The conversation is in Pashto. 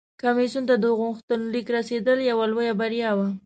کمیسیون ته د غوښتنلیک رسیدل یوه لویه بریا وه